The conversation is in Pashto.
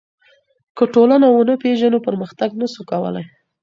که ټولنه ونه پېژنو پرمختګ نسو کولای.